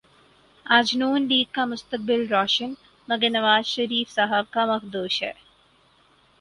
آج نون لیگ کا مستقبل روشن مگر نوازشریف صاحب کا مخدوش ہے